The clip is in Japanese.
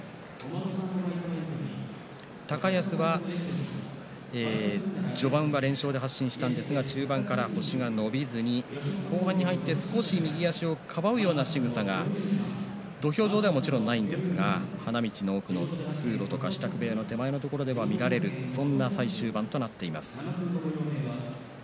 高安は序盤は連勝で発進したんですが中盤から星が伸びずに後半に入って少し右足をかばうようなしぐさが土俵上ではもちろんありませんが花道の奥の通路など支度部屋の手前では見られるような最終盤となりました。